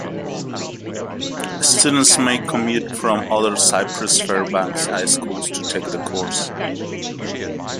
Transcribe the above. Students may commute from other Cypress-Fairbanks high schools to take the course.